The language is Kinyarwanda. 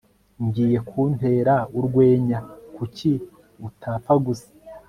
ngiye kuntera urwenya, kuki utapfa gusa